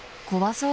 そう。